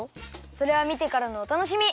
それはみてからのおたのしみ！